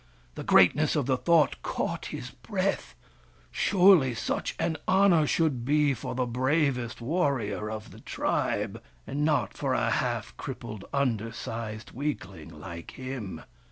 The greatness of the thought caught his breath — surely such an honour should be for the bravest warrior of the tribe, and not for a half crippled, undersized weakling like him.